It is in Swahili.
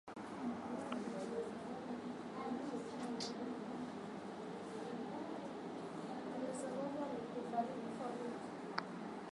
tukapandaTulitoka kwa mashua kutoka kwa Laranjal do